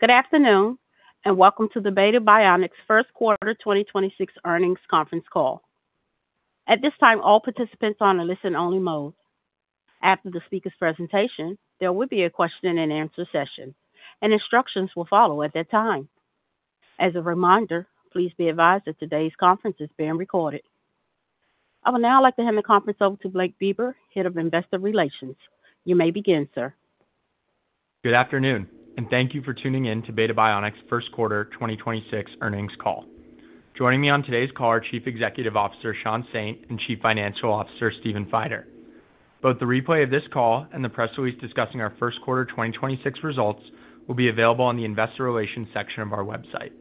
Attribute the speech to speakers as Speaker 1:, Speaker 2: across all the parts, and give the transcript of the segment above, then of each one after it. Speaker 1: Good afternoon, and welcome to the Beta Bionics first quarter 2026 earnings conference call. At this time, all participants are on a listen only mode. After the speaker's presentation, there will be a question and answer session, and instructions will follow at that time. As a reminder, please be advised that today's conference is being recorded. I would now like to hand the conference over to Blake Beber, Head of Investor Relations. You may begin, sir.
Speaker 2: Good afternoon, and thank you for tuning in to Beta Bionics' first quarter 2026 earnings call. Joining me on today's call are Chief Executive Officer Sean Saint and Chief Financial Officer Stephen Feider. Both the replay of this call and the press release discussing our first quarter 2026 results will be available on the investor relations section of our website.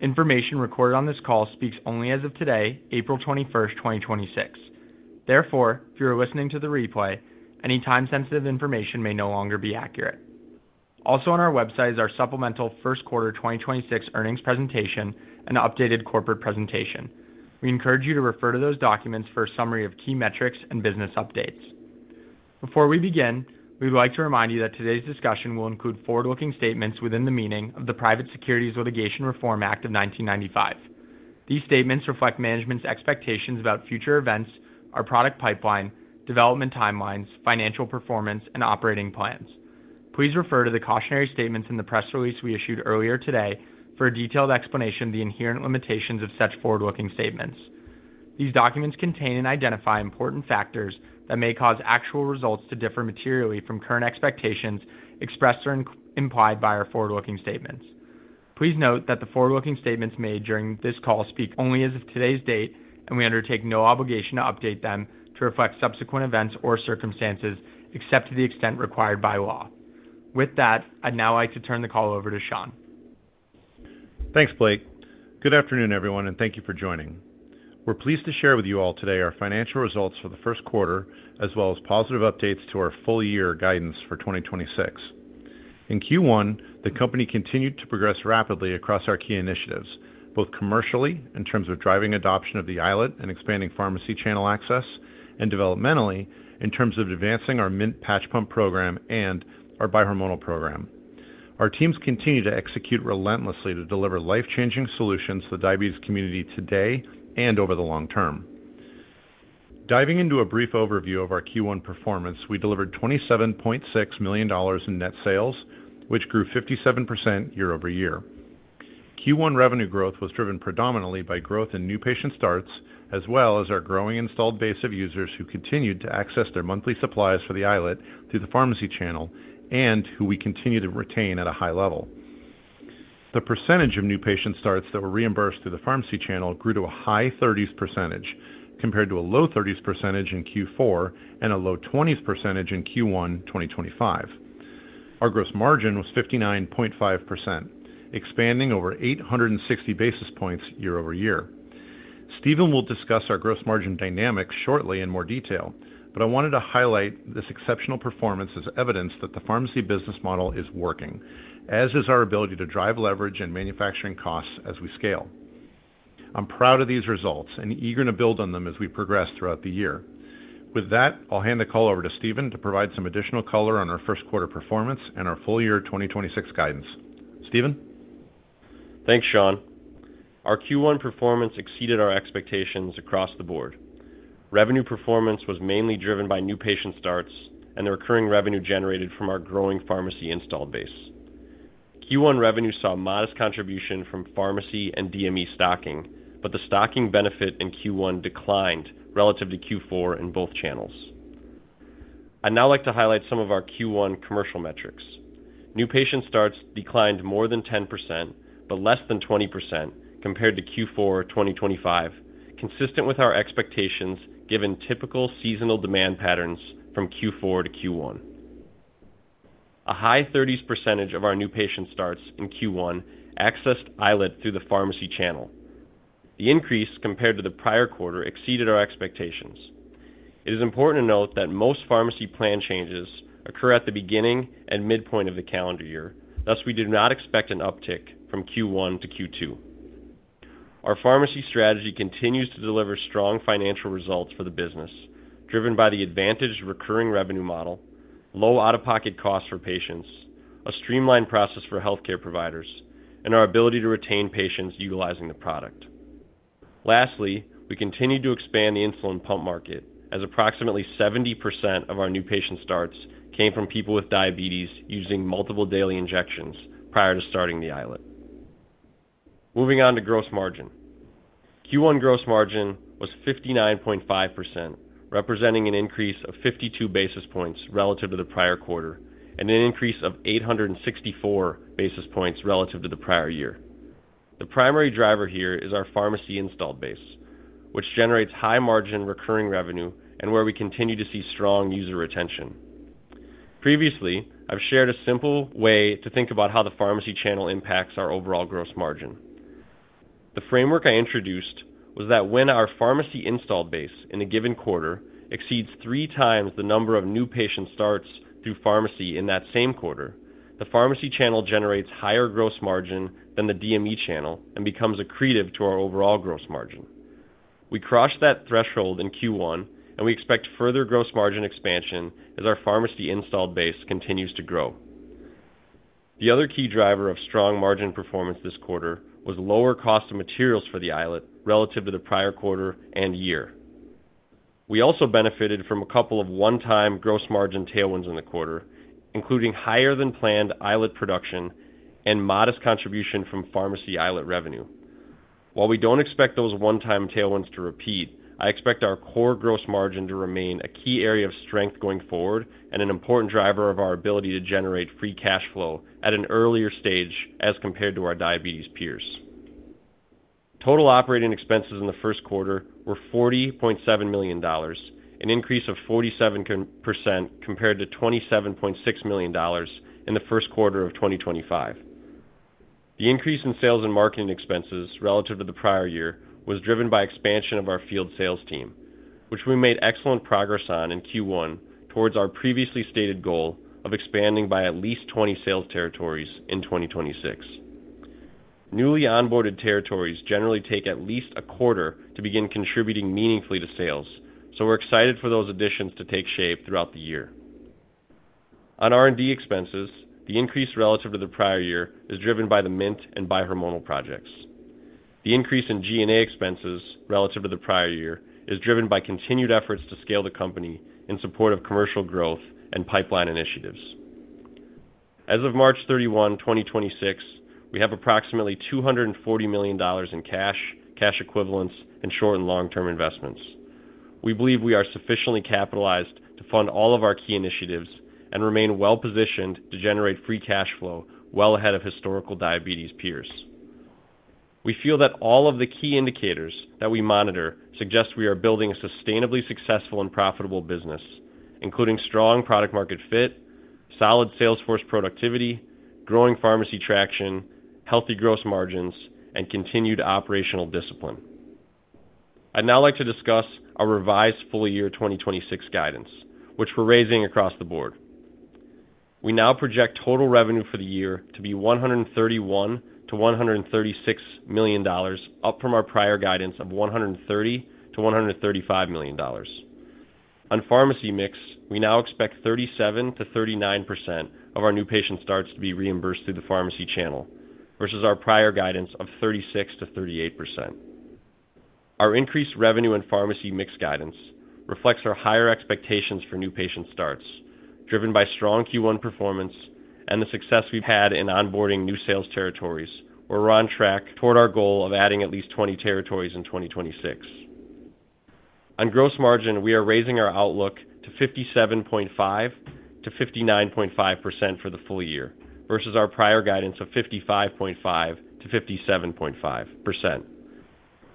Speaker 2: Information recorded on this call speaks only as of today, April 21st, 2026. Therefore, if you are listening to the replay, any time sensitive information may no longer be accurate. Also on our website is our supplemental first quarter 2026 earnings presentation and updated corporate presentation. We encourage you to refer to those documents for a summary of key metrics and business updates. Before we begin, we would like to remind you that today's discussion will include forward-looking statements within the meaning of the Private Securities Litigation Reform Act of 1995. These statements reflect management's expectations about future events, our product pipeline, development timelines, financial performance and operating plans. Please refer to the cautionary statements in the press release we issued earlier today for a detailed explanation of the inherent limitations of such forward-looking statements. These documents contain and identify important factors that may cause actual results to differ materially from current expectations expressed or implied by our forward-looking statements. Please note that the forward-looking statements made during this call speak only as of today's date, and we undertake no obligation to update them to reflect subsequent events or circumstances, except to the extent required by law. With that, I'd now like to turn the call over to Sean.
Speaker 3: Thanks, Blake. Good afternoon, everyone, and thank you for joining. We're pleased to share with you all today our financial results for the first quarter, as well as positive updates to our full year guidance for 2026. In Q1, the company continued to progress rapidly across our key initiatives, both commercially, in terms of driving adoption of the iLet and expanding pharmacy channel access, and developmentally, in terms of advancing our Mint patch pump program and our bi-hormonal program. Our teams continue to execute relentlessly to deliver life-changing solutions to the diabetes community today and over the long term. Diving into a brief overview of our Q1 performance, we delivered $27.6 million in net sales, which grew 57% year-over-year. Q1 revenue growth was driven predominantly by growth in new patient starts, as well as our growing installed base of users who continued to access their monthly supplies for the iLet through the pharmacy channel and who we continue to retain at a high level. The percentage of new patient starts that were reimbursed through the pharmacy channel grew to a high 30s percentage, compared to a low 30s percentage in Q4 and a low 20s percentage in Q1 2025. Our gross margin was 59.5%, expanding over 860 basis points year-over-year. Stephen will discuss our gross margin dynamics shortly in more detail, but I wanted to highlight this exceptional performance as evidence that the pharmacy business model is working, as is our ability to drive leverage and manufacturing costs as we scale. I'm proud of these results and eager to build on them as we progress throughout the year. With that, I'll hand the call over to Stephen to provide some additional color on our first quarter performance and our full year 2026 guidance. Stephen?
Speaker 4: Thanks, Sean. Our Q1 performance exceeded our expectations across the board. Revenue performance was mainly driven by new patient starts and the recurring revenue generated from our growing pharmacy installed base. Q1 revenue saw modest contribution from pharmacy and DME stocking, but the stocking benefit in Q1 declined relative to Q4 in both channels. I'd now like to highlight some of our Q1 commercial metrics. New patient starts declined more than 10%, but less than 20% compared to Q4 2025, consistent with our expectations given typical seasonal demand patterns from Q4 to Q1. A high 30s% of our new patient starts in Q1 accessed iLet through the pharmacy channel. The increase compared to the prior quarter exceeded our expectations. It is important to note that most pharmacy plan changes occur at the beginning and midpoint of the calendar year. Thus, we do not expect an uptick from Q1 to Q2. Our pharmacy strategy continues to deliver strong financial results for the business, driven by the advantage recurring revenue model, low out-of-pocket costs for patients, a streamlined process for healthcare providers, and our ability to retain patients utilizing the product. Lastly, we continue to expand the insulin pump market, as approximately 70% of our new patient starts came from people with diabetes using multiple daily injections prior to starting the iLet. Moving on to gross margin. Q1 gross margin was 59.5%, representing an increase of 52 basis points relative to the prior quarter, and an increase of 864 basis points relative to the prior year. The primary driver here is our pharmacy installed base, which generates high margin recurring revenue and where we continue to see strong user retention. Previously, I've shared a simple way to think about how the pharmacy channel impacts our overall gross margin. The framework I introduced was that when our pharmacy installed base in a given quarter exceeds three times the number of new patient starts through pharmacy in that same quarter, the pharmacy channel generates higher gross margin than the DME channel and becomes accretive to our overall gross margin. We crossed that threshold in Q1, and we expect further gross margin expansion as our pharmacy installed base continues to grow. The other key driver of strong margin performance this quarter was lower cost of materials for the iLet relative to the prior quarter and year. We also benefited from a couple of one-time gross margin tailwinds in the quarter, including higher than planned iLet production and modest contribution from pharmacy iLet revenue. While we don't expect those one-time tailwinds to repeat, I expect our core gross margin to remain a key area of strength going forward and an important driver of our ability to generate free cash flow at an earlier stage as compared to our diabetes peers. Total operating expenses in the first quarter were $40.7 million, an increase of 47% compared to $27.6 million in the first quarter of 2025. The increase in sales and marketing expenses relative to the prior year was driven by expansion of our field sales team, which we made excellent progress on in Q1 towards our previously stated goal of expanding by at least 20 sales territories in 2026. Newly onboarded territories generally take at least a quarter to begin contributing meaningfully to sales, so we're excited for those additions to take shape throughout the year. On R&D expenses, the increase relative to the prior year is driven by the Mint and bi-hormonal projects. The increase in G&A expenses relative to the prior year is driven by continued efforts to scale the company in support of commercial growth and pipeline initiatives. As of March 31, 2026, we have approximately $240 million in cash equivalents, and short and long-term investments. We believe we are sufficiently capitalized to fund all of our key initiatives and remain well-positioned to generate free cash flow well ahead of historical diabetes peers. We feel that all of the key indicators that we monitor suggest we are building a sustainably successful and profitable business, including strong product market fit, solid sales force productivity, growing pharmacy traction, healthy gross margins, and continued operational discipline. I'd now like to discuss our revised full year 2026 guidance, which we're raising across the board. We now project total revenue for the year to be $131 million-$136 million, up from our prior guidance of $130 million-$135 million. On pharmacy mix, we now expect 37%-39% of our new patient starts to be reimbursed through the pharmacy channel, versus our prior guidance of 36%-38%. Our increased revenue and pharmacy mix guidance reflects our higher expectations for new patient starts, driven by strong Q1 performance and the success we've had in onboarding new sales territories, where we're on track toward our goal of adding at least 20 territories in 2026. On gross margin, we are raising our outlook to 57.5%-59.5% for the full year versus our prior guidance of 55.5%-57.5%.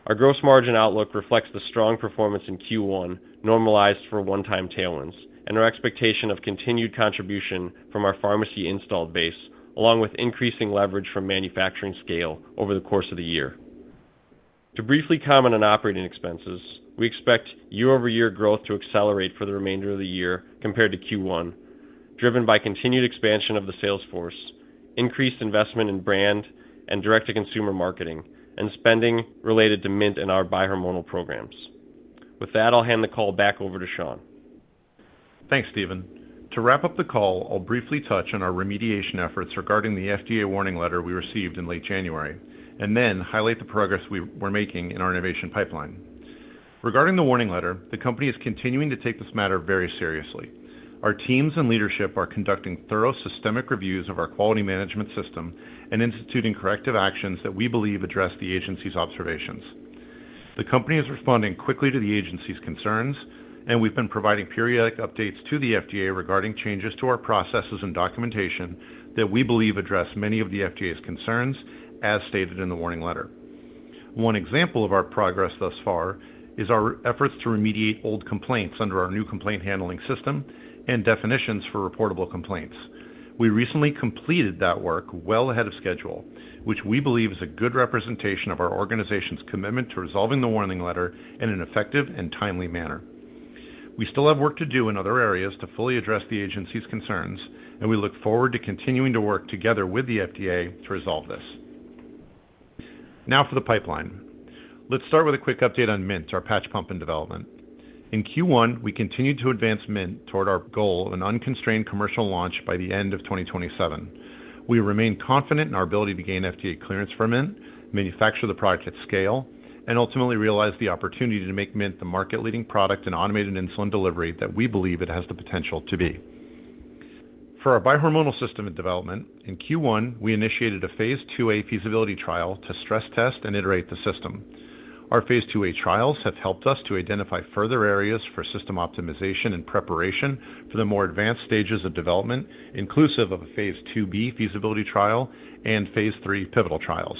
Speaker 4: Our gross margin outlook reflects the strong performance in Q1, normalized for one-time tailwinds, and our expectation of continued contribution from our pharmacy installed base, along with increasing leverage from manufacturing scale over the course of the year. To briefly comment on operating expenses, we expect year-over-year growth to accelerate for the remainder of the year compared to Q1, driven by continued expansion of the sales force, increased investment in brand and direct-to-consumer marketing, and spending related to Mint and our bi-hormonal programs. With that, I'll hand the call back over to Sean.
Speaker 3: Thanks, Stephen. To wrap up the call, I'll briefly touch on our remediation efforts regarding the FDA warning letter we received in late January, and then highlight the progress we're making in our innovation pipeline. Regarding the warning letter, the company is continuing to take this matter very seriously. Our teams and leadership are conducting thorough, systemic reviews of our quality management system and instituting corrective actions that we believe address the agency's observations. The company is responding quickly to the agency's concerns, and we've been providing periodic updates to the FDA regarding changes to our processes and documentation that we believe address many of the FDA's concerns, as stated in the warning letter. One example of our progress thus far is our efforts to remediate old complaints under our new complaint handling system and definitions for reportable complaints. We recently completed that work well ahead of schedule, which we believe is a good representation of our organization's commitment to resolving the warning letter in an effective and timely manner. We still have work to do in other areas to fully address the agency's concerns, and we look forward to continuing to work together with the FDA to resolve this. Now for the pipeline. Let's start with a quick update on Mint, our patch pump in development. In Q1, we continued to advance Mint toward our goal of an unconstrained commercial launch by the end of 2027. We remain confident in our ability to gain FDA clearance for Mint, manufacture the product at scale, and ultimately realize the opportunity to make Mint the market-leading product in automated insulin delivery that we believe it has the potential to be. For our bi-hormonal system and development, in Q1, we initiated a phase II-A feasibility trial to stress test and iterate the system. Our phase II-A trials have helped us to identify further areas for system optimization and preparation for the more advanced stages of development, inclusive of a phase II-B feasibility trial and phase III pivotal trials.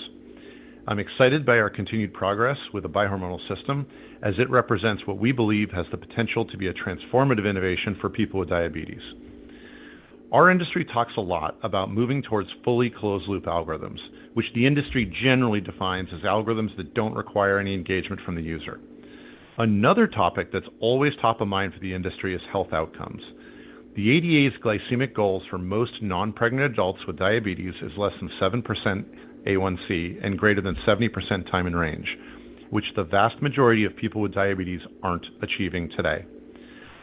Speaker 3: I'm excited by our continued progress with the bi-hormonal system as it represents what we believe has the potential to be a transformative innovation for people with diabetes. Our industry talks a lot about moving towards fully closed loop algorithms, which the industry generally defines as algorithms that don't require any engagement from the user. Another topic that's always top of mind for the industry is health outcomes. The ADA's glycemic goals for most non-pregnant adults with diabetes is less than 7% A1C and greater than 70% time and range, which the vast majority of people with diabetes aren't achieving today.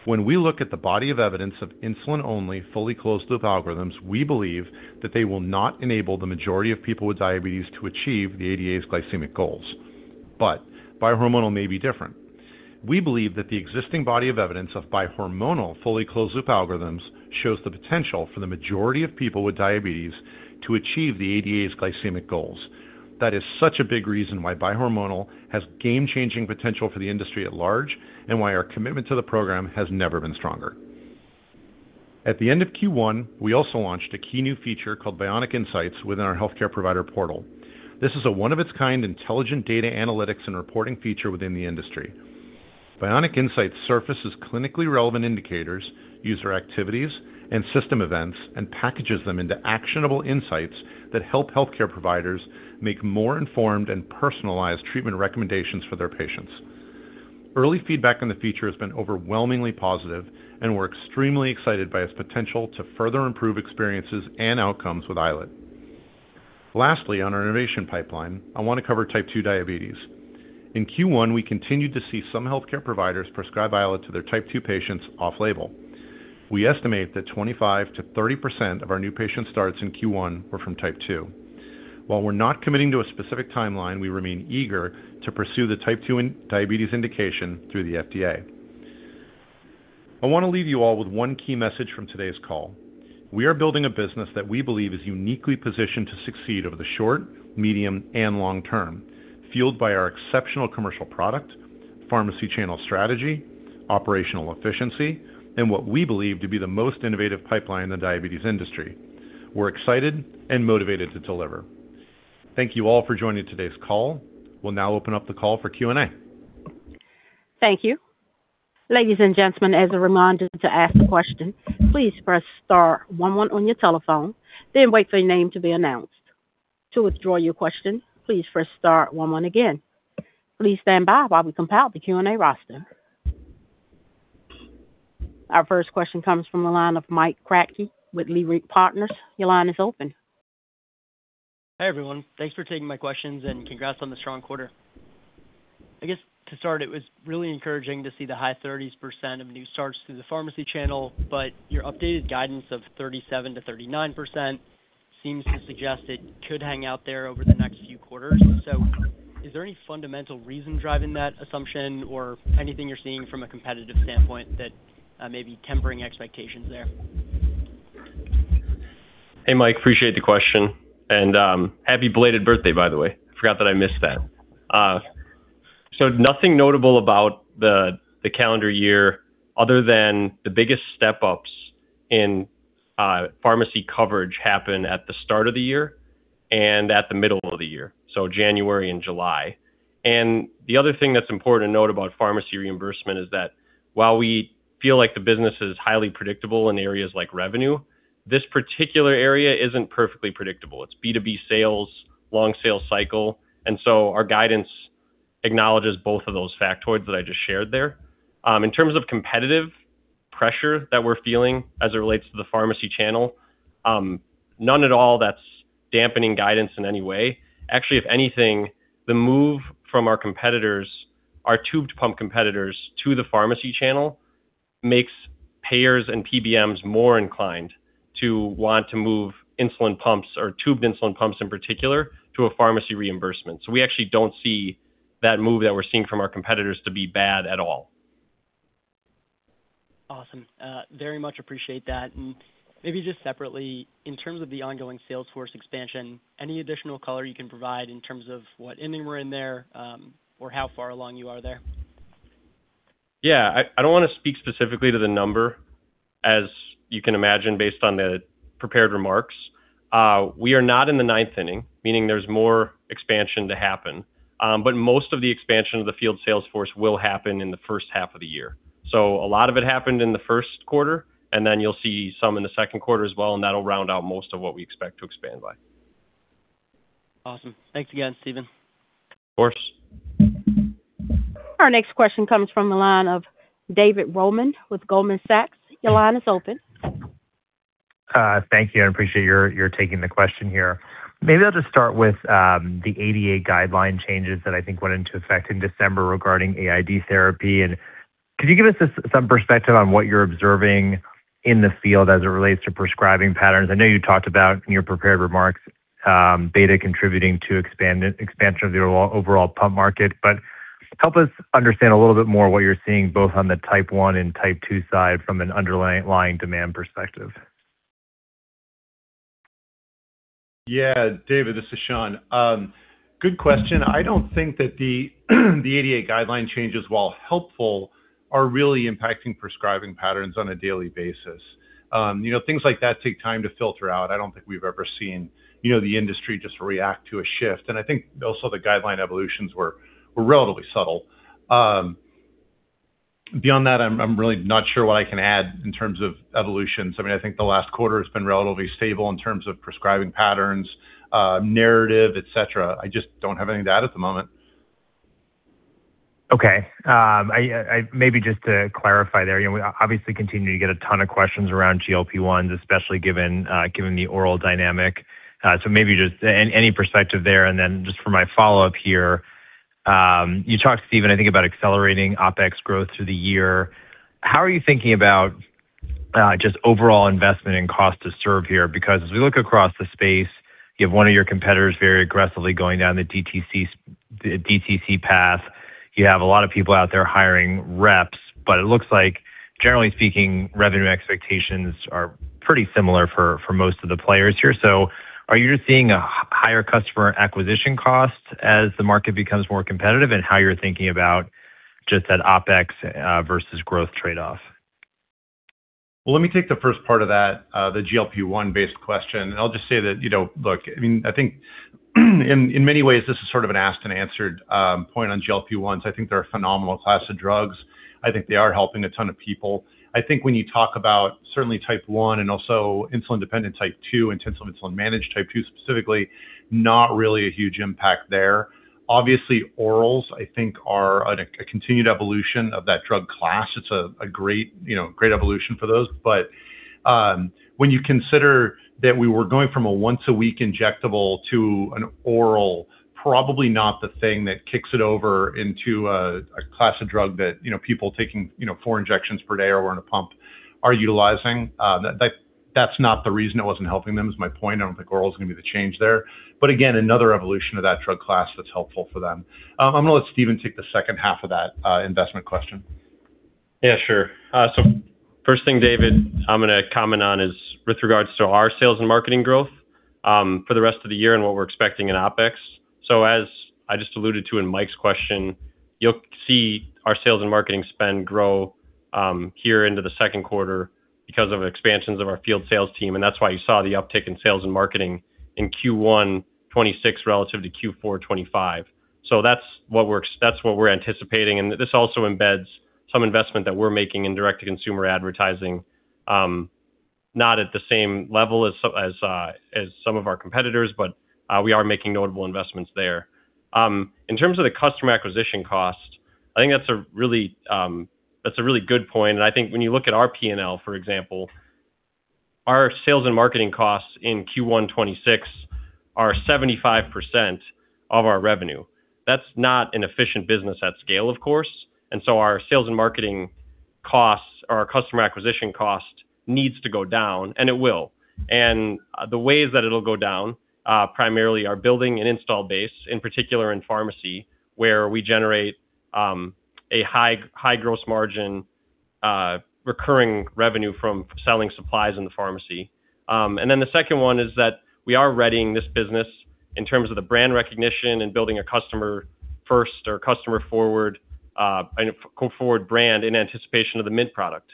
Speaker 3: When we look at the body of evidence of insulin-only, fully closed-loop algorithms, we believe that they will not enable the majority of people with diabetes to achieve the ADA's glycemic goals. Bi-hormonal may be different. We believe that the existing body of evidence of bi-hormonal, fully closed-loop algorithms shows the potential for the majority of people with diabetes to achieve the ADA's glycemic goals. That is such a big reason why bi-hormonal has game-changing potential for the industry at large, and why our commitment to the program has never been stronger. At the end of Q1, we also launched a key new feature called Bionic Insights within our healthcare provider portal. This is one-of-a-kind intelligent data analytics and reporting feature within the industry. Bionic Insights surfaces clinically relevant indicators, user activities, and system events, and packages them into actionable insights that help healthcare providers make more informed and personalized treatment recommendations for their patients. Early feedback on the feature has been overwhelmingly positive, and we're extremely excited by its potential to further improve experiences and outcomes with iLet. Lastly, on our innovation pipeline, I want to cover type 2 diabetes. In Q1, we continued to see some healthcare providers prescribe iLet to their type 2 patients off-label. We estimate that 25%-30% of our new patient starts in Q1 were from type 2. While we're not committing to a specific timeline, we remain eager to pursue the type 2 diabetes indication through the FDA. I want to leave you all with one key message from today's call. We are building a business that we believe is uniquely positioned to succeed over the short, medium, and long term, fueled by our exceptional commercial product, pharmacy channel strategy, operational efficiency, and what we believe to be the most innovative pipeline in the diabetes industry. We're excited and motivated to deliver. Thank you all for joining today's call. We'll now open up the call for Q&A.
Speaker 1: Thank you. Ladies and gentlemen, as a reminder to ask a question, please press star one one on your telephone, then wait for your name to be announced. To withdraw your question, please press star one one again. Please stand by while we compile the Q&A roster. Our first question comes from the line of Mike Kratky with Leerink Partners. Your line is open.
Speaker 5: Hi, everyone. Thanks for taking my questions, and congrats on the strong quarter. I guess to start, it was really encouraging to see the high 30s% of new starts through the pharmacy channel, but your updated guidance of 37%-39% seems to suggest it could hang out there over the next few quarters. Is there any fundamental reason driving that assumption or anything you're seeing from a competitive standpoint that may be tempering expectations there?
Speaker 4: Hey, Mike, appreciate the question, and happy belated birthday, by the way. Forgot that I missed that. Nothing notable about the calendar year other than the biggest step-ups in pharmacy coverage happen at the start of the year and at the middle of the year, so January and July. The other thing that's important to note about pharmacy reimbursement is that while we feel like the business is highly predictable in areas like revenue, this particular area isn't perfectly predictable. It's B2B sales, long sales cycle, and so our guidance acknowledges both of those factoids that I just shared there. In terms of competitive pressure that we're feeling as it relates to the pharmacy channel, none at all that's dampening guidance in any way. Actually, if anything, the move from our competitors, our tubed pump competitors to the pharmacy channel makes payers and PBMs more inclined to want to move insulin pumps or tubed insulin pumps, in particular, to a pharmacy reimbursement. We actually don't see that move that we're seeing from our competitors to be bad at all.
Speaker 5: Awesome. I very much appreciate that. Maybe just separately, in terms of the ongoing sales force expansion, any additional color you can provide in terms of what inning we're in there, or how far along you are there?
Speaker 4: Yeah. I don't want to speak specifically to the number, as you can imagine, based on the prepared remarks. We are not in the ninth inning, meaning there's more expansion to happen. But most of the expansion of the field sales force will happen in the first half of the year. A lot of it happened in the first quarter, and then you'll see some in the second quarter as well, and that'll round out most of what we expect to expand by.
Speaker 5: Awesome. Thanks again, Stephen.
Speaker 4: Of course.
Speaker 1: Our next question comes from the line of David Roman with Goldman Sachs. Your line is open.
Speaker 6: Thank you. I appreciate your taking the question here. Maybe I'll just start with the ADA guideline changes that I think went into effect in December regarding AID therapy. Could you give us some perspective on what you're observing in the field as it relates to prescribing patterns? I know you talked about, in your prepared remarks, Beta contributing to expansion of the overall pump market, but help us understand a little bit more what you're seeing both on the type 1 and type 2 side from an underlying demand perspective?
Speaker 3: Yeah. David, this is Sean. Good question. I don't think that the ADA guideline changes, while helpful, are really impacting prescribing patterns on a daily basis. Things like that take time to filter out. I don't think we've ever seen the industry just react to a shift, and I think also the guideline evolutions were relatively subtle. Beyond that, I'm really not sure what I can add in terms of evolutions. I think the last quarter has been relatively stable in terms of prescribing patterns, narrative, et cetera. I just don't have anything to add at the moment.
Speaker 6: Okay. Maybe just to clarify there, we obviously continue to get a ton of questions around GLP-1s, especially given the oral dynamic. Maybe just any perspective there, and then just for my follow-up here, you talked, Stephen, I think about accelerating OpEx growth through the year. How are you thinking about just overall investment in cost to serve here? Because as we look across the space, you have one of your competitors very aggressively going down the DTC path. You have a lot of people out there hiring reps. It looks like, generally speaking, revenue expectations are pretty similar for most of the players here. Are you just seeing a higher customer acquisition cost as the market becomes more competitive, and how you're thinking about just that OpEx versus growth trade-off?
Speaker 3: Well, let me take the first part of that, the GLP-1-based question. I'll just say that, look, I think in many ways, this is sort of an asked and answered point on GLP-1s. I think they're a phenomenal class of drugs. I think they are helping a ton of people. I think when you talk about certainly type 1 and also insulin-dependent type 2 and intensive insulin-managed type 2 specifically, not really a huge impact there. Obviously, orals, I think, are a continued evolution of that drug class. It's a great evolution for those. But when you consider that we were going from a once-a-week injectable to an oral, probably not the thing that kicks it over into a class of drug that people taking four injections per day or in a pump are utilizing. That's not the reason it wasn't helping them is my point. I don't think oral is going to be the change there. Again, another evolution of that drug class that's helpful for them. I'm going to let Stephen take the second half of that investment question.
Speaker 4: Yeah, sure. First thing, David, I'm going to comment on is with regards to our sales and marketing growth for the rest of the year and what we're expecting in OpEx. As I just alluded to in Mike's question, you'll see our sales and marketing spend grow here into the second quarter because of expansions of our field sales team, and that's why you saw the uptick in sales and marketing in Q1 2026 relative to Q4 2025. That's what we're anticipating, and this also embeds some investment that we're making in direct-to-consumer advertising. Not at the same level as some of our competitors, but we are making notable investments there. In terms of the customer acquisition cost, I think that's a really good point. I think when you look at our P&L, for example, our sales and marketing costs in Q1 2026 are 75% of our revenue. That's not an efficient business at scale, of course. Our sales and marketing costs or our customer acquisition cost needs to go down, and it will. The ways that it'll go down primarily are building an install base, in particular in pharmacy, where we generate a high gross margin, recurring revenue from selling supplies in the pharmacy. The second one is that we are readying this business in terms of the brand recognition and building a customer first or customer forward brand in anticipation of the Mint product.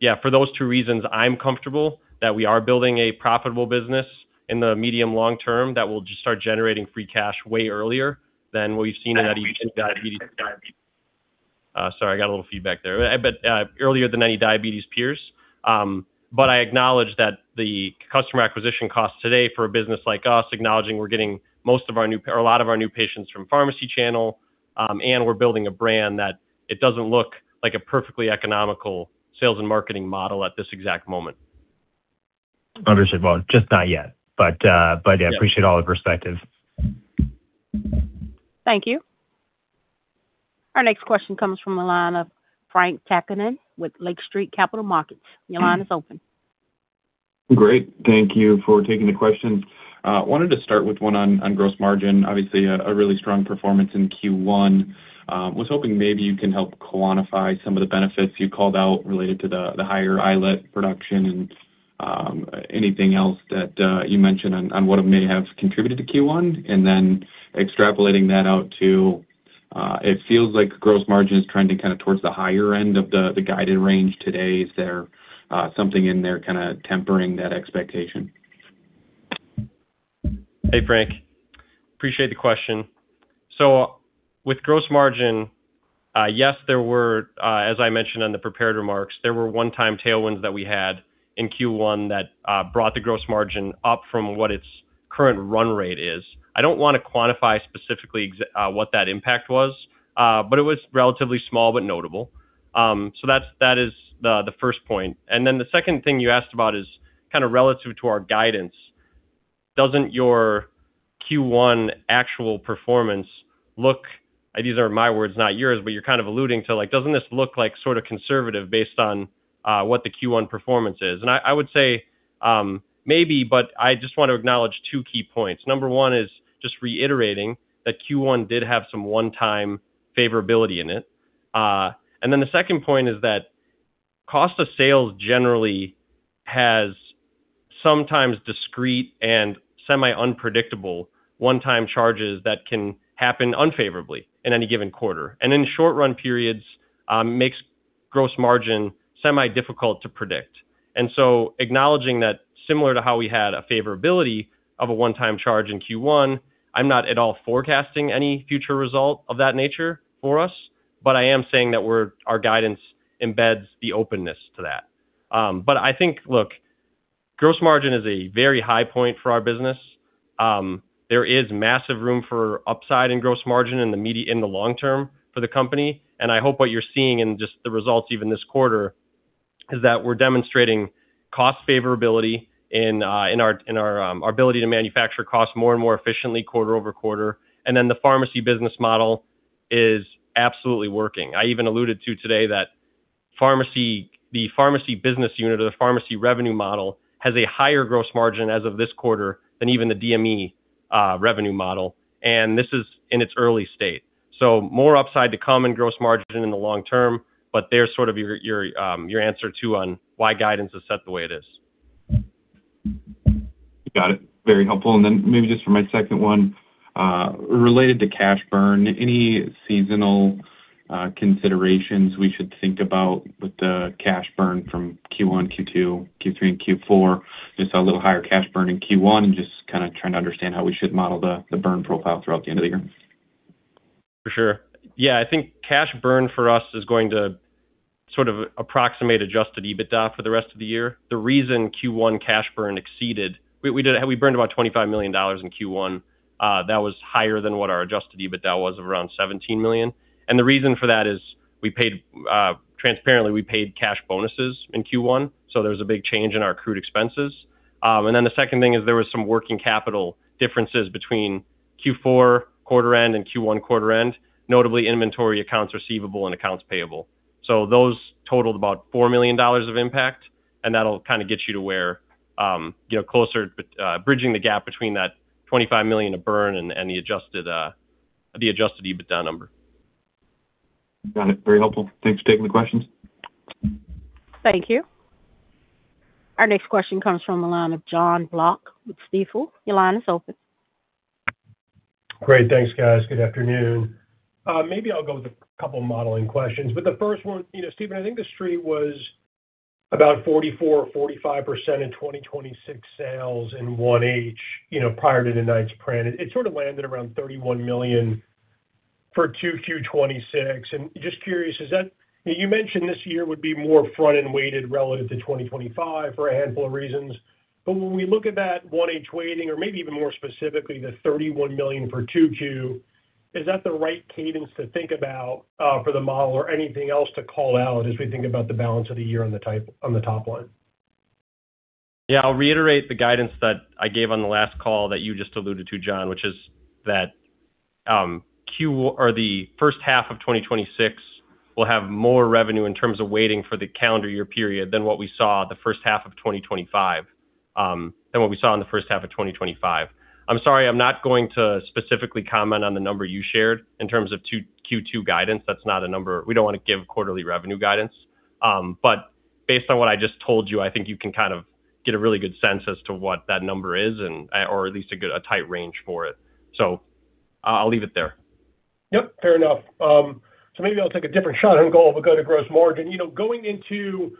Speaker 4: Yeah, for those two reasons, I'm comfortable that we are building a profitable business in the medium long term that will just start generating free cash way earlier than what we've seen in any diabetes peers. I acknowledge that the customer acquisition cost today for a business like us, acknowledging we're getting a lot of our new patients from pharmacy channel, and we're building a brand that it doesn't look like a perfectly economical sales and marketing model at this exact moment.
Speaker 6: Understood. Well, just not yet.
Speaker 4: Yeah.
Speaker 6: I appreciate all the perspective.
Speaker 1: Thank you. Our next question comes from the line of Frank Takkinen with Lake Street Capital Markets. Your line is open.
Speaker 7: Great. Thank you for taking the question. Wanted to start with one on gross margin. Obviously, a really strong performance in Q1. Was hoping maybe you can help quantify some of the benefits you called out related to the higher iLet production and anything else that you mentioned on what may have contributed to Q1. Extrapolating that out to, it feels like gross margin is trending towards the higher end of the guided range today. Is there something in there tempering that expectation?
Speaker 4: Hey, Frank. Appreciate the question. With gross margin, yes, as I mentioned on the prepared remarks, there were one-time tailwinds that we had in Q1 that brought the gross margin up from what its current run rate is. I don't want to quantify specifically what that impact was, but it was relatively small but notable. That is the first point. The second thing you asked about is relative to our guidance. Doesn't your Q1 actual performance look, these are my words, not yours, but you're alluding to, like, doesn't this look like sort of conservative based on what the Q1 performance is? I would say maybe, but I just want to acknowledge two key points. Number one is just reiterating that Q1 did have some one-time favorability in it. Then the second point is that cost of sales generally has sometimes discrete and semi-unpredictable one-time charges that can happen unfavorably in any given quarter. In short-run periods, makes gross margin somewhat difficult to predict. Acknowledging that similar to how we had a favorability of a one-time charge in Q1, I'm not at all forecasting any future result of that nature for us. I am saying that our guidance embeds the openness to that. I think, look, gross margin is a very high point for our business. There is massive room for upside in gross margin in the long term for the company. I hope what you're seeing in just the results even this quarter is that we're demonstrating cost favorability in our ability to manufacture costs more and more efficiently quarter over quarter. The pharmacy business model is absolutely working. I even alluded to today that the pharmacy business unit or the pharmacy revenue model has a higher gross margin as of this quarter than even the DME revenue model. This is in its early state, so more upside to come in gross margin in the long term. There's sort of your answer too on why guidance is set the way it is.
Speaker 7: Got it. Very helpful. Maybe just for my second one, related to cash burn, any seasonal considerations we should think about with the cash burn from Q1, Q2, Q3, and Q4? Just a little higher cash burn in Q1 and just kind of trying to understand how we should model the burn profile throughout the end of the year.
Speaker 4: For sure. Yeah, I think cash burn for us is going to sort of approximate adjusted EBITDA for the rest of the year. The reason Q1 cash burn exceeded. We burned about $25 million in Q1. That was higher than what our adjusted EBITDA was of around $17 million. The reason for that is, transparently, we paid cash bonuses in Q1, so there was a big change in our accrued expenses. Then the second thing is there was some working capital differences between Q4 quarter end and Q1 quarter end, notably inventory, accounts receivable and accounts payable. Those totaled about $4 million of impact. That'll kind of get you closer, bridging the gap between that $25 million of burn and the adjusted EBITDA number.
Speaker 7: Got it. Very helpful. Thanks for taking the questions.
Speaker 1: Thank you. Our next question comes from the line of Jon Block with Stifel. Your line is open.
Speaker 8: Great. Thanks, guys. Good afternoon. Maybe I'll go with a couple modeling questions, but the first one, Stephen, I think the street was about 44%-45% in 2026 sales in 1H, prior to tonight's print. It sort of landed around $31 million for 2Q 2026. Just curious, you mentioned this year would be more front-end weighted relative to 2025 for a handful of reasons. But when we look at that 1H weighting, or maybe even more specifically, the $31 million for 2Q, is that the right cadence to think about for the model or anything else to call out as we think about the balance of the year on the top line?
Speaker 4: Yeah, I'll reiterate the guidance that I gave on the last call that you just alluded to, Jon, which is that the first half of 2026 will have more revenue in terms of weighting for the calendar year period than what we saw in the first half of 2025. I'm sorry, I'm not going to specifically comment on the number you shared in terms of Q2 guidance. That's not a number. We don't want to give quarterly revenue guidance. Based on what I just told you, I think you can kind of get a really good sense as to what that number is or at least a tight range for it. I'll leave it there.
Speaker 8: Yep, fair enough. Maybe I'll take a different shot and go to gross margin. Going into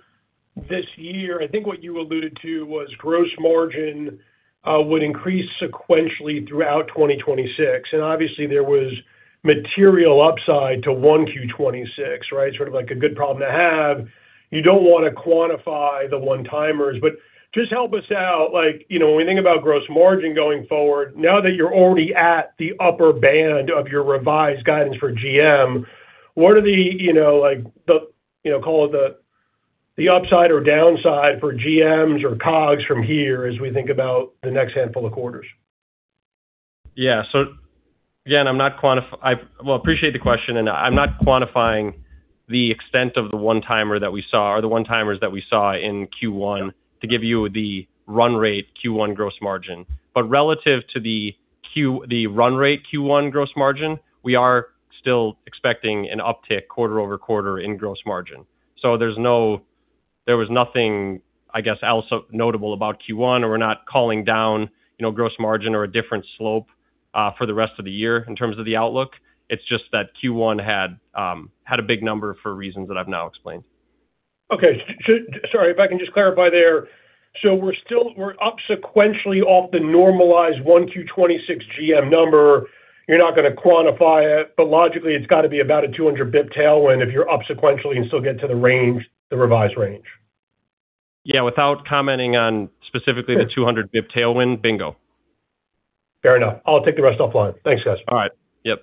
Speaker 8: this year, I think what you alluded to was gross margin would increase sequentially throughout 2026. Obviously there was material upside to 1Q 2026, right? Sort of like a good problem to have. You don't want to quantify the one-timers, but just help us out, like, when we think about gross margin going forward, now that you're already at the upper band of your revised guidance for GM, what are the, call it the upside or downside for GMs or COGS from here as we think about the next handful of quarters?
Speaker 4: Yeah. Again, I appreciate the question, and I'm not quantifying the extent of the one-timer that we saw, or the one-timers that we saw in Q1 to give you the run rate Q1 gross margin. Relative to the run rate Q1 gross margin, we are still expecting an uptick quarter over quarter in gross margin. There was nothing, I guess, notable about Q1 or we're not calling down gross margin or a different slope for the rest of the year in terms of the outlook. It's just that Q1 had a big number for reasons that I've now explained.
Speaker 8: Okay. Sorry if I can just clarify there. We're up sequentially off the normalized 1Q 2026 GM number. You're not going to quantify it, but logically it's got to be about a 200 basis points tailwind if you're up sequentially and still get to the revised range.
Speaker 4: Yeah, without commenting on specifically the 200 basis points tailwind. Bingo.
Speaker 8: Fair enough. I'll take the rest offline. Thanks, guys.
Speaker 4: All right. Yep.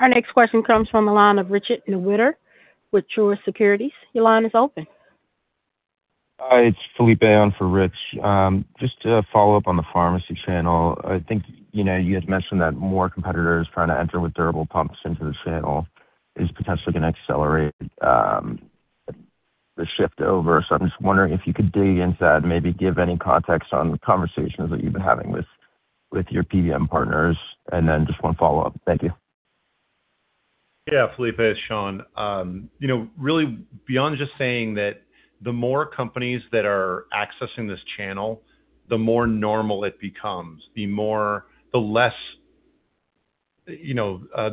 Speaker 1: Our next question comes from the line of Richard Newitter with Truist Securities. Your line is open.
Speaker 9: Hi, it's Felipe on for Rich. Just to follow up on the pharmacy channel, I think you had mentioned that more competitors trying to enter with durable pumps into the channel is potentially going to accelerate the shift over. I'm just wondering if you could dig into that and maybe give any context on the conversations that you've been having with your PBM partners. Just one follow-up. Thank you.
Speaker 3: Yeah, Felipe, it's Sean. Really beyond just saying that the more companies that are accessing this channel, the more normal it becomes, the less The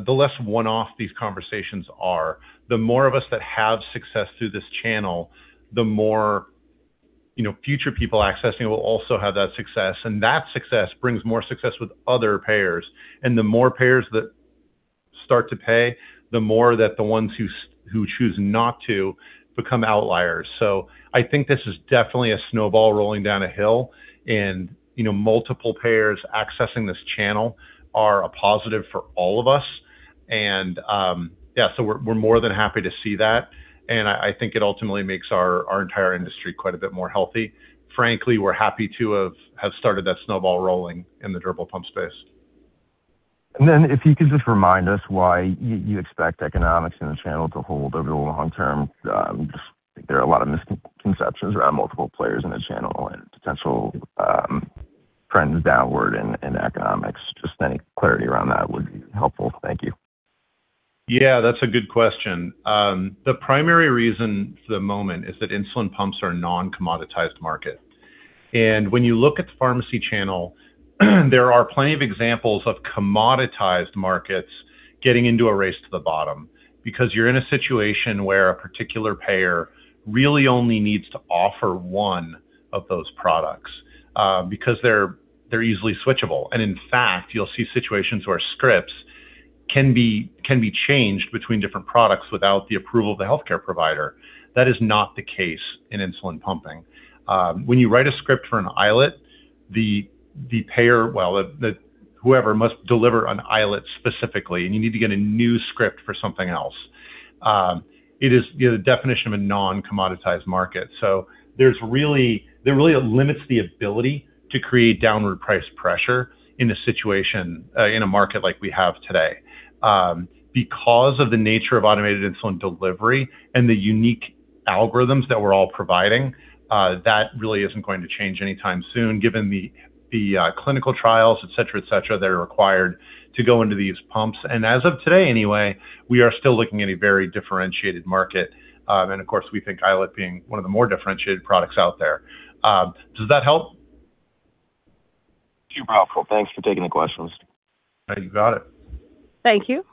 Speaker 3: less one-off these conversations are, the more of us that have success through this channel, the more future people accessing it will also have that success. That success brings more success with other payers. The more payers that start to pay, the more that the ones who choose not to become outliers. I think this is definitely a snowball rolling down a hill, and multiple payers accessing this channel are a positive for all of us. Yeah. We're more than happy to see that. I think it ultimately makes our entire industry quite a bit more healthy. Frankly, we're happy to have started that snowball rolling in the durable pump space.
Speaker 9: If you could just remind us why you expect economics in the channel to hold over the long term. There are a lot of misconceptions around multiple players in the channel and potential trends downward in economics. Just any clarity around that would be helpful. Thank you.
Speaker 3: Yeah, that's a good question. The primary reason for the moment is that insulin pumps are a non-commoditized market. When you look at the pharmacy channel, there are plenty of examples of commoditized markets getting into a race to the bottom because you're in a situation where a particular payer really only needs to offer one of those products because they're easily switchable. In fact, you'll see situations where scripts can be changed between different products without the approval of the healthcare provider. That is not the case in insulin pumping. When you write a script for an iLet, the payer, well, whoever must deliver an iLet specifically, and you need to get a new script for something else. It is the definition of a non-commoditized market. That really limits the ability to create downward price pressure in a market like we have today. Because of the nature of automated insulin delivery and the unique algorithms that we're all providing, that really isn't going to change anytime soon given the clinical trials, et cetera, et cetera, that are required to go into these pumps. As of today anyway, we are still looking at a very differentiated market. Of course, we think iLet being one of the more differentiated products out there. Does that help?
Speaker 9: Too helpful. Thanks for taking the questions.
Speaker 3: You got it.
Speaker 1: Thank you.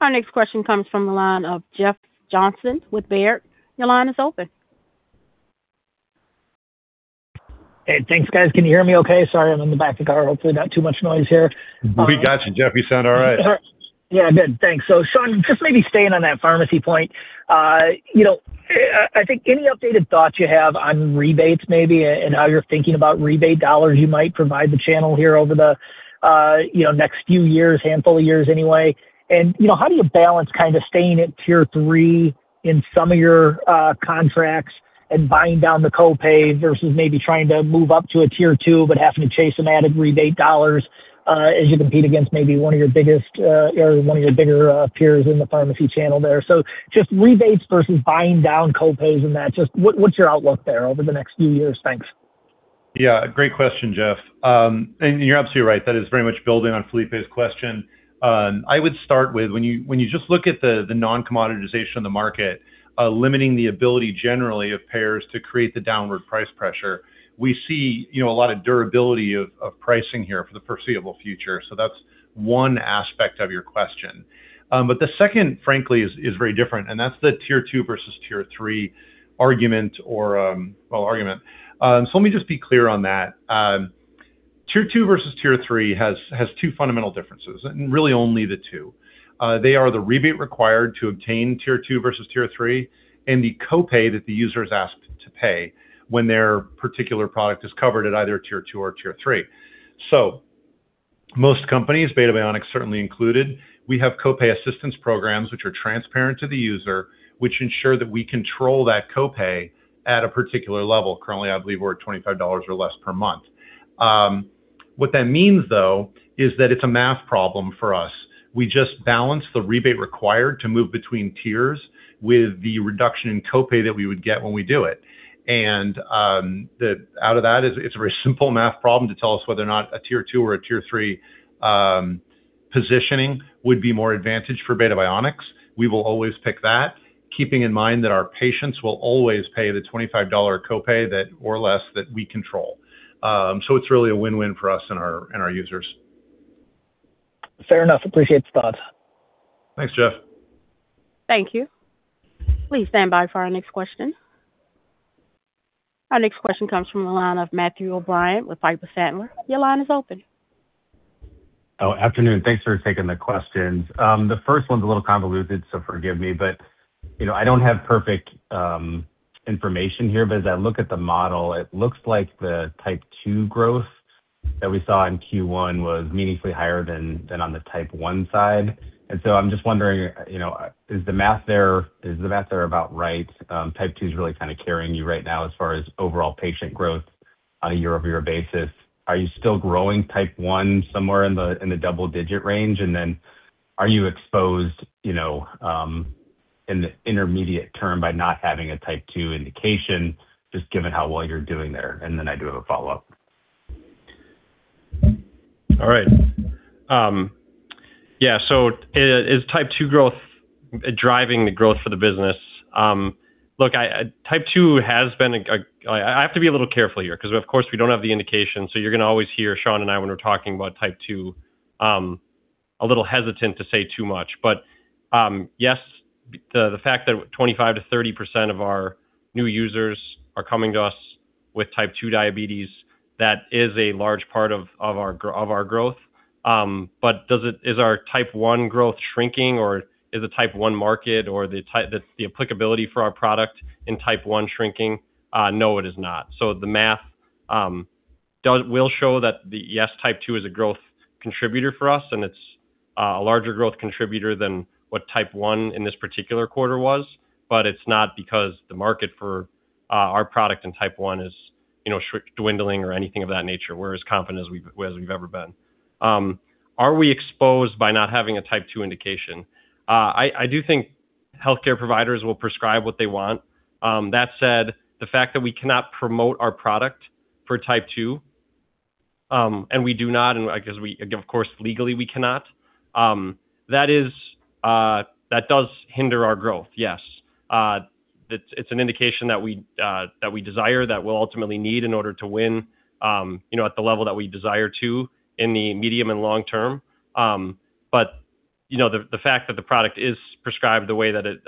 Speaker 1: Our next question comes from the line of Jeff Johnson with Baird. Your line is open.
Speaker 10: Hey, thanks, guys. Can you hear me okay? Sorry, I'm in the back of the car. Hopefully not too much noise here.
Speaker 3: We got you, Jeff. You sound all right.
Speaker 10: Yeah, good, thanks. Sean, just maybe staying on that pharmacy point. I think any updated thoughts you have on rebates maybe, and how you're thinking about rebate dollars you might provide the channel here over the next few years, handful of years anyway. How do you balance kind of staying at tier three in some of your contracts and buying down the co-pay versus maybe trying to move up to a tier two, but having to chase some added rebate dollars as you compete against maybe one of your bigger peers in the pharmacy channel there. Just rebates versus buying down co-pays and that. Just what's your outlook there over the next few years? Thanks.
Speaker 3: Yeah, great question, Jeff. You're absolutely right. That is very much building on Felipe's question. I would start with, when you just look at the non-commoditization of the market, limiting the ability generally of payers to create the downward price pressure. We see a lot of durability of pricing here for the foreseeable future. That's one aspect of your question. The second, frankly, is very different, and that's the tier two versus tier three argument or well, argument. Let me just be clear on that. Tier two versus tier three has two fundamental differences, and really only the two. They are the rebate required to obtain tier two versus tier three, and the co-pay that the user is asked to pay when their particular product is covered at either tier two or tier three. Most companies, Beta Bionics certainly included, we have co-pay assistance programs, which are transparent to the user, which ensure that we control that co-pay at a particular level. Currently, I believe we're at $25 or less per month. What that means, though, is that it's a math problem for us. We just balance the rebate required to move between tiers with the reduction in co-pay that we would get when we do it. Out of that, it's a very simple math problem to tell us whether or not a tier two or a tier three positioning would be more advantage for Beta Bionics. We will always pick that, keeping in mind that our patients will always pay the $25 co-pay or less that we control. It's really a win-win for us and our users.
Speaker 10: Fair enough. Appreciate the thoughts.
Speaker 3: Thanks, Jeff.
Speaker 1: Thank you. Please stand by for our next question. Our next question comes from the line of Matthew O'Brien with Piper Sandler. Your line is open.
Speaker 11: Good afternoon. Thanks for taking the questions. The first one's a little convoluted, so forgive me. I don't have perfect information here, but as I look at the model, it looks like the type 2 growth that we saw in Q1 was meaningfully higher than on the type 1 side. I'm just wondering, is the math there about right? Type 2 is really kind of carrying you right now as far as overall patient growth on a year-over-year basis. Are you still growing type 1 somewhere in the double-digit range? Are you exposed, in the intermediate term by not having a type 2 indication, just given how well you're doing there? I do have a follow-up.
Speaker 4: All right. Yeah. Is type 2 driving the growth for the business? Look, I have to be a little careful here because, of course, we don't have the indication. You're going to always hear Sean and I, when we're talking about type 2, a little hesitant to say too much. Yes, the fact that 25%-30% of our new users are coming to us with type 2 diabetes, that is a large part of our growth. Is our type 1 growth shrinking? Or is the type 1 market or the applicability for our product in type 1 shrinking? No, it is not. The math will show that, yes, type 2 is a growth contributor for us, and it's a larger growth contributor than what type 1 in this particular quarter was. It's not because the market for our product in type 1 is dwindling or anything of that nature. We're as confident as we've ever been. Are we exposed by not having a type 2 indication? I do think healthcare providers will prescribe what they want. That said, the fact that we cannot promote our product for type 2, and we do not, because, of course, legally we cannot, that does hinder our growth, yes. It's an indication that we desire, that we'll ultimately need in order to win at the level that we desire to in the medium and long term. The fact that the product is prescribed the way that it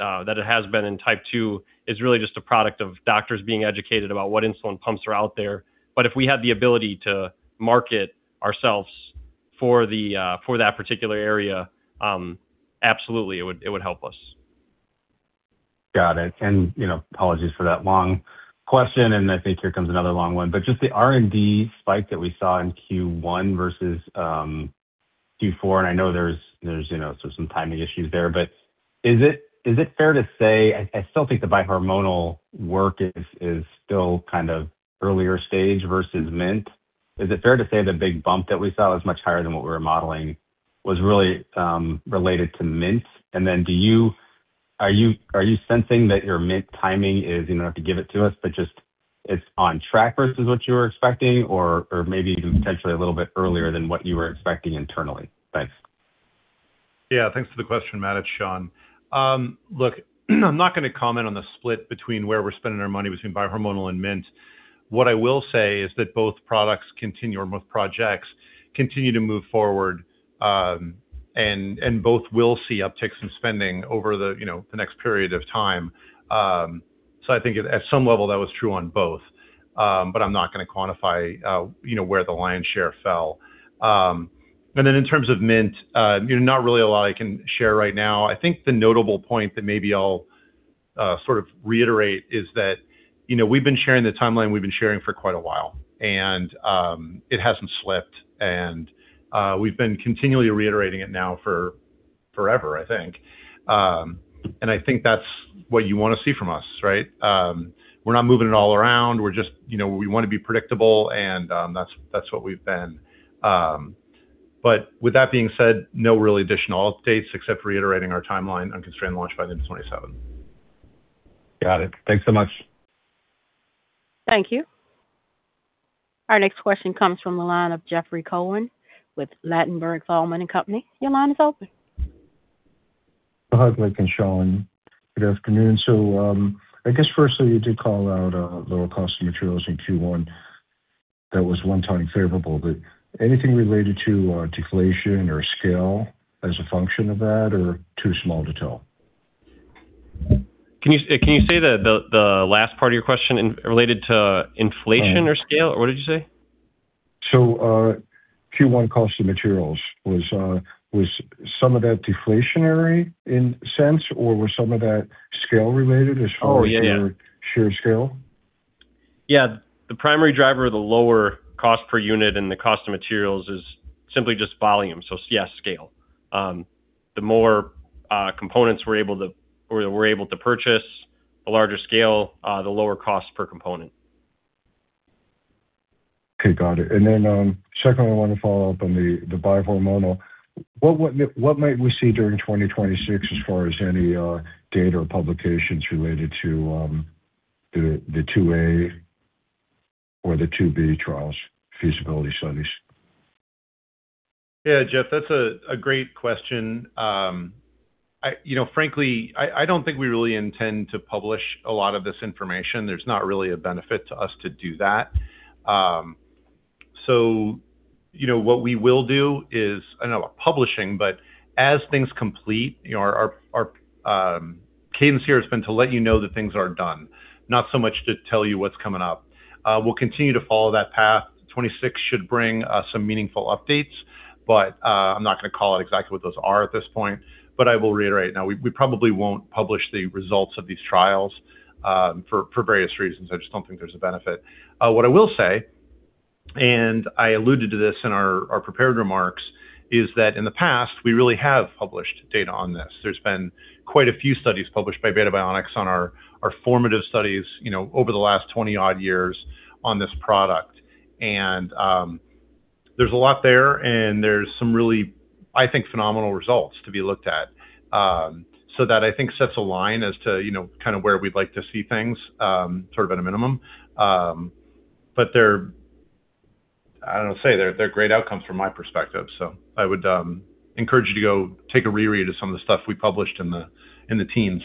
Speaker 4: has been in type 2 is really just a product of doctors being educated about what insulin pumps are out there. if we had the ability to market ourselves for that particular area, absolutely, it would help us.
Speaker 11: Got it. Apologies for that long question. I think here comes another long one. Just the R&D spike that we saw in Q1 versus Q4, and I know there's some timing issues there, but I still think the bi-hormonal work is still kind of earlier stage versus Mint. Is it fair to say the big bump that we saw is much higher than what we were modeling, was really related to Mint? And then, are you sensing that your Mint timing is-- you don't have to give it to us, but just it's on track versus what you were expecting? Or maybe even potentially a little bit earlier than what you were expecting internally? Thanks.
Speaker 3: Yeah. Thanks for the question, Matt. It's Sean. Look, I'm not going to comment on the split between where we're spending our money between bi-hormonal and Mint. What I will say is that both products or both projects continue to move forward, and both will see upticks in spending over the next period of time. I think at some level, that was true on both. I'm not going to quantify where the lion's share fell. Then in terms of Mint, not really a lot I can share right now. I think the notable point that maybe I'll sort of reiterate is that we've been sharing the timeline we've been sharing for quite a while. It hasn't slipped. We've been continually reiterating it now for forever, I think. I think that's what you want to see from us, right? We're not moving it all around. We want to be predictable, and that's what we've been. With that being said, no really additional updates except for reiterating our timeline on constrained launch by the end of 2027.
Speaker 11: Got it. Thanks so much.
Speaker 1: Thank you. Our next question comes from the line of Jeffrey Cohen with Ladenburg Thalmann & Co. Your line is open.
Speaker 12: Hi, Blake and Sean. Good afternoon. I guess firstly, you did call out lower cost of materials in Q1 that was one-time favorable. Anything related to deflation or scale as a function of that, or too small to tell?
Speaker 4: Can you say the last part of your question related to inflation or scale? What did you say?
Speaker 12: Q1 cost of materials, was some of that deflationary in the sense, or was some of that scale related as far as?
Speaker 4: Oh, yeah.
Speaker 12: Shared scale?
Speaker 4: Yeah. The primary driver of the lower cost per unit and the cost of materials is simply just volume. Yes, scale. The more components we're able to purchase, the larger scale, the lower cost per component.
Speaker 12: Okay. Got it. Secondly, I want to follow up on the bi-hormonal. What might we see during 2026 as far as any data or publications related to the phase II-A or the phase II-B trials feasibility studies?
Speaker 3: Yeah. Jeff, that's a great question. Frankly, I don't think we really intend to publish a lot of this information. There's not really a benefit to us to do that. What we will do is, I don't know about publishing, but as things complete, our cadence here has been to let you know that things are done, not so much to tell you what's coming up. We'll continue to follow that path. 2026 should bring us some meaningful updates, but I'm not going to call out exactly what those are at this point. I will reiterate, now we probably won't publish the results of these trials for various reasons. I just don't think there's a benefit. What I will say, and I alluded to this in our prepared remarks, is that in the past, we really have published data on this. There's been quite a few studies published by Beta Bionics on our formative studies over the last 20-odd years on this product. There's a lot there, and there's some really, I think, phenomenal results to be looked at. That, I think, sets a line as to where we'd like to see things at a minimum. I don't know what to say. They're great outcomes from my perspective. I would encourage you to go take a re-read of some of the stuff we published in the teens.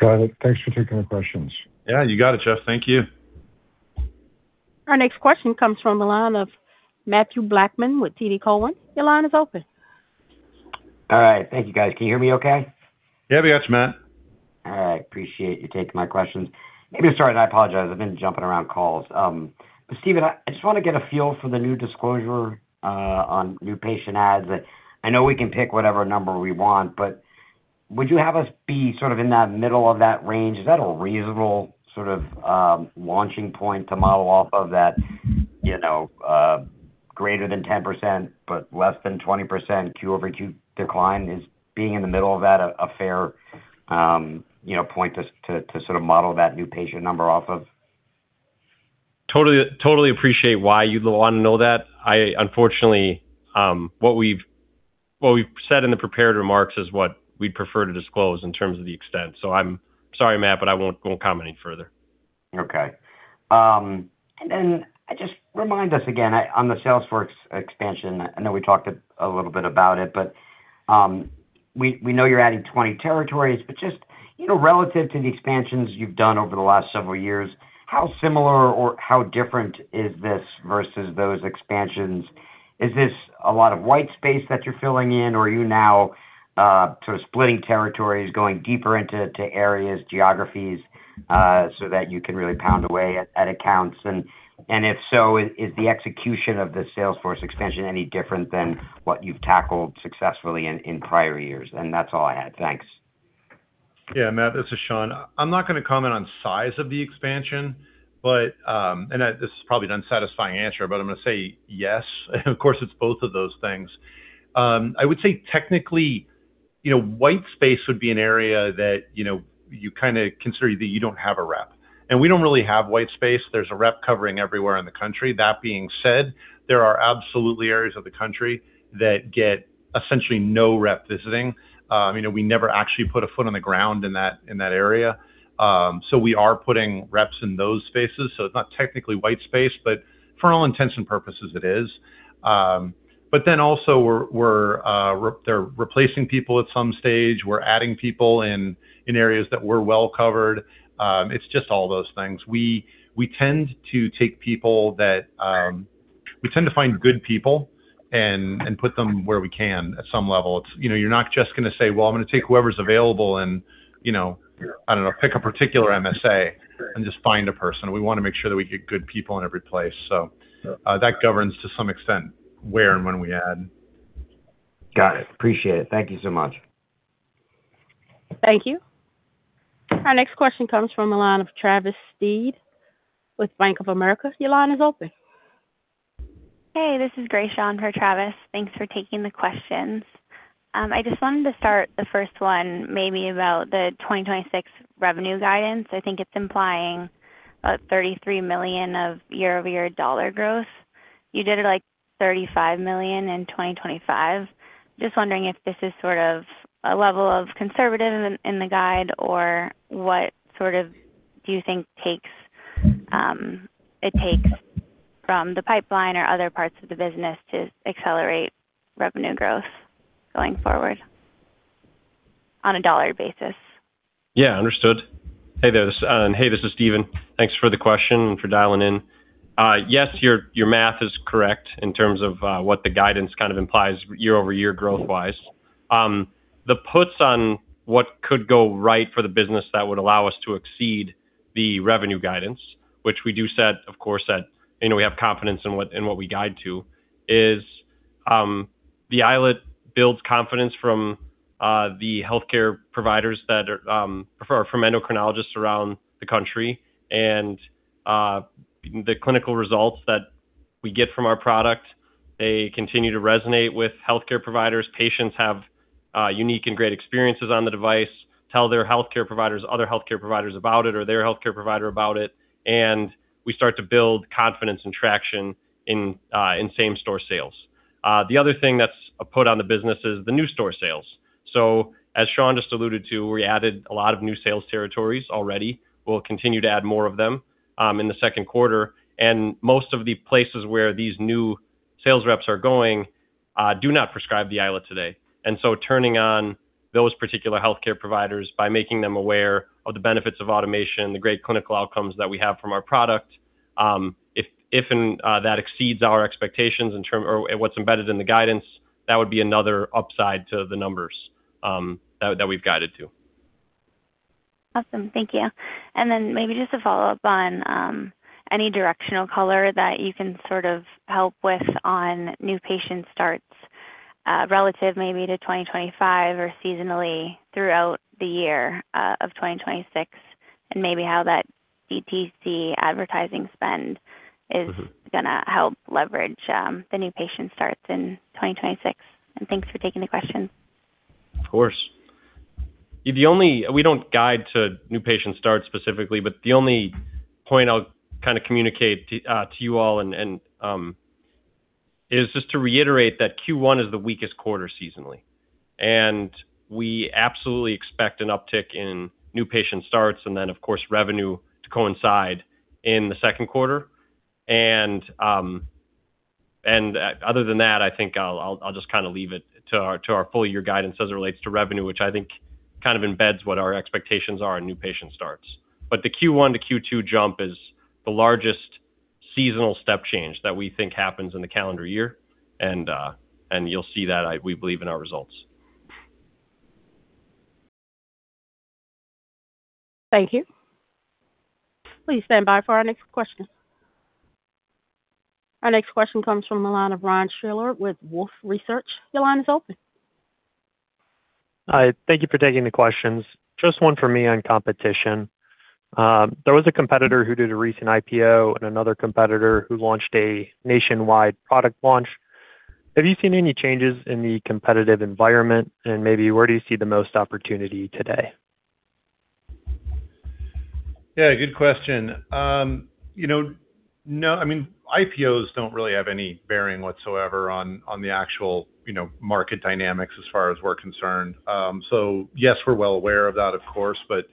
Speaker 12: Got it. Thanks for taking the questions.
Speaker 3: Yeah, you got it, Jeff. Thank you.
Speaker 1: Our next question comes from the line of Mathew Blackman with TD Cowen. Your line is open.
Speaker 13: All right. Thank you, guys. Can you hear me okay?
Speaker 3: Yeah, we can, Matt.
Speaker 13: All right. Appreciate you taking my questions. Maybe to start, I apologize. I've been jumping around calls. Stephen, I just want to get a feel for the new disclosure on new patient adds. I know we can pick whatever number we want, but would you have us be sort of in that middle of that range? Is that a reasonable sort of launching point to model off of that greater than 10%, but less than 20% q-over-q decline? Is being in the middle of that a fair point to sort of model that new patient number off of?
Speaker 4: Totally appreciate why you'd want to know that. Unfortunately, what we've said in the prepared remarks is what we'd prefer to disclose in terms of the extent. I'm sorry, Matt, but I won't comment any further.
Speaker 13: Okay. Just remind us again, on the sales force expansion, I know we talked a little bit about it, but we know you're adding 20 territories, but just relative to the expansions you've done over the last several years, how similar or how different is this versus those expansions? Is this a lot of white space that you're filling in, or are you now sort of splitting territories, going deeper into areas, geographies, so that you can really pound away at accounts? If so, is the execution of the sales force expansion any different than what you've tackled successfully in prior years? That's all I had. Thanks.
Speaker 3: Yeah, Matt. This is Sean. I'm not going to comment on size of the expansion, and this is probably an unsatisfying answer, but I'm going to say yes. Of course, it's both of those things. I would say technically, white space would be an area that you kind of consider that you don't have a rep. We don't really have white space. There's a rep covering everywhere in the country. That being said, there are absolutely areas of the country that get essentially no rep visiting. We never actually put a foot on the ground in that area. We are putting reps in those spaces. It's not technically white space, but for all intents and purposes, it is. They're replacing people at some stage. We're adding people in areas that we're well-covered. It's just all those things. We tend to find good people and put them where we can at some level. You're not just going to say, "Well, I'm going to take whoever's available and, I don't know, pick a particular MSA and just find a person." We want to make sure that we get good people in every place. That governs to some extent where and when we add.
Speaker 13: Got it. Appreciate it. Thank you so much.
Speaker 1: Thank you. Our next question comes from the line of Travis Steed with Bank of America. Your line is open.
Speaker 14: Hey, this is Grace on for Travis. Thanks for taking the questions. I just wanted to start the first one maybe about the 2026 revenue guidance. I think it's implying about $33 million of year-over-year dollar growth. You did like $35 million in 2025. Just wondering if this is sort of a level of conservatism in the guide, or what sort of do you think it takes from the pipeline or other parts of the business to accelerate revenue growth going forward on a dollar basis?
Speaker 4: Yeah, understood. Hey, this is Stephen. Thanks for the question and for dialing in. Yes, your math is correct in terms of what the guidance kind of implies year-over-year growth-wise. The upside on what could go right for the business that would allow us to exceed the revenue guidance, which we do set, of course, as we have confidence in what we guide to, is the iLet builds confidence from the healthcare providers from endocrinologists around the country. The clinical results that we get from our product, they continue to resonate with healthcare providers. Patients have unique and great experiences on the device, tell their healthcare providers, other healthcare providers about it, or their healthcare provider about it, and we start to build confidence and traction in same-store sales. The other thing that's an upside on the business is the new store sales. As Sean just alluded to, we added a lot of new sales territories already. We'll continue to add more of them in the second quarter. Most of the places where these new sales reps are going do not prescribe the iLet today. Turning on those particular healthcare providers by making them aware of the benefits of automation, the great clinical outcomes that we have from our product, if that exceeds our expectations or what's embedded in the guidance, that would be another upside to the numbers that we've guided to.
Speaker 14: Awesome. Thank you. Maybe just a follow-up on any directional color that you can sort of help with on new patient starts relative maybe to 2025 or seasonally throughout the year of 2026, and maybe how that DTC advertising spend is going to help leverage the new patient starts in 2026. Thanks for taking the question.
Speaker 4: Of course. We don't guide to new patient starts specifically, but the only point I'll kind of communicate to you all and is just to reiterate that Q1 is the weakest quarter seasonally. We absolutely expect an uptick in new patient starts and then of course revenue to coincide in the second quarter. Other than that, I think I'll just leave it to our full year guidance as it relates to revenue, which I think kind of embeds what our expectations are on new patient starts. The Q1 to Q2 jump is the largest seasonal step change that we think happens in the calendar year, and you'll see that we believe in our results.
Speaker 1: Thank you. Please stand by for our next question. Our next question comes from the line of Ryan Schiller with Wolfe Research. Your line is open.
Speaker 15: Hi, thank you for taking the questions. Just one for me on competition. There was a competitor who did a recent IPO and another competitor who launched a nationwide product launch. Have you seen any changes in the competitive environment? Maybe where do you see the most opportunity today?
Speaker 3: Yeah, good question. IPOs don't really have any bearing whatsoever on the actual market dynamics as far as we're concerned. Yes, we're well aware of that, of course, but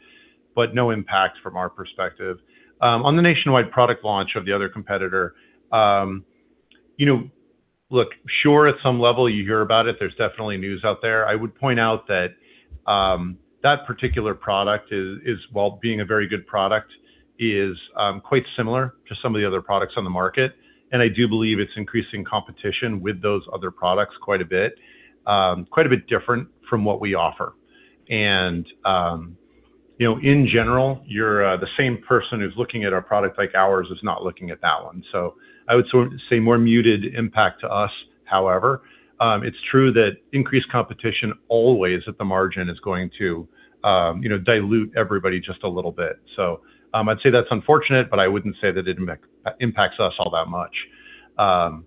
Speaker 3: no impact from our perspective on the nationwide product launch of the other competitor. Look, sure, at some level you hear about it. There's definitely news out there. I would point out that particular product is, while being a very good product, quite similar to some of the other products on the market, and I do believe it's increasing competition with those other products quite a bit. Quite a bit different from what we offer. In general, the same person who's looking at our product like ours is not looking at that one. I would say more muted impact to us. However, it's true that increased competition always at the margin is going to dilute everybody just a little bit. I'd say that's unfortunate, but I wouldn't say that it impacts us all that much.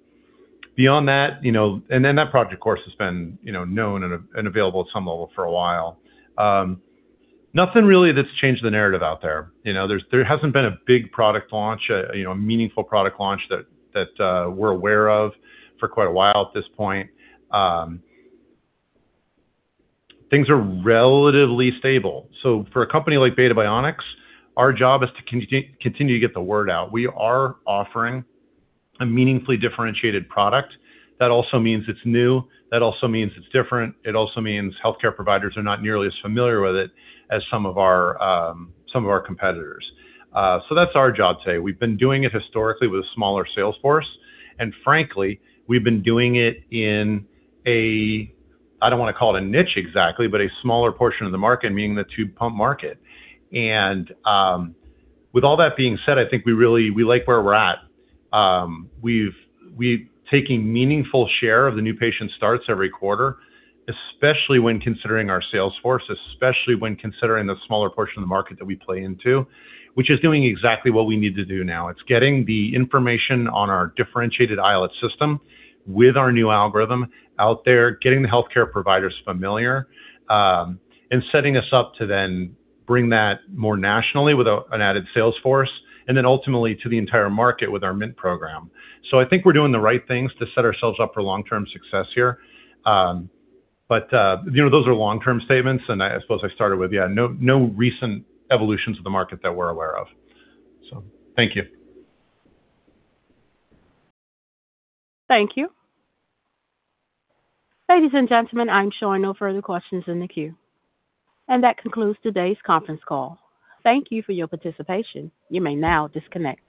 Speaker 3: Beyond that, and then that project of course has been known and available at some level for a while. Nothing really that's changed the narrative out there. There hasn't been a big product launch, a meaningful product launch that we're aware of for quite a while at this point. Things are relatively stable. For a company like Beta Bionics, our job is to continue to get the word out. We are offering a meaningfully differentiated product. That also means it's new. That also means it's different. It also means healthcare providers are not nearly as familiar with it as some of our competitors. That's our job today. We've been doing it historically with a smaller sales force. Frankly, we've been doing it in a, I don't want to call it a niche exactly, but a smaller portion of the market, meaning the tube pump market. With all that being said, I think we like where we're at. We're taking meaningful share of the new patient starts every quarter, especially when considering our sales force, especially when considering the smaller portion of the market that we play into, which is doing exactly what we need to do now. It's getting the information on our differentiated iLet system with our new algorithm out there, getting the healthcare providers familiar, and setting us up to then bring that more nationally with an added sales force, and then ultimately to the entire market with our Mint program. I think we're doing the right things to set ourselves up for long-term success here. Those are long-term statements, and I suppose I started with no recent evolutions of the market that we're aware of. Thank you.
Speaker 1: Thank you. Ladies and gentlemen, I'm showing no further questions in the queue. That concludes today's conference call. Thank you for your participation. You may now disconnect.